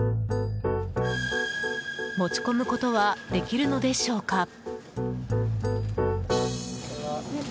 持ち込むことはできるのでしょうか？